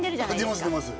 出ます出ます